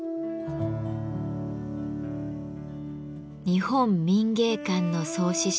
日本民藝館の創始者